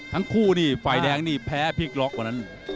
ทั้งคู่นี่ฝ่ายแดงนี่แพ้พลิกล็อกวันนั้น